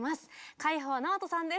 海宝直人さんです。